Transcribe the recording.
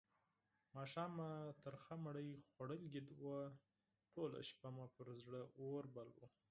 ماښام مې ترخه ډوډۍ خوړلې وه؛ ټوله شپه مې پر زړه اور بل وو.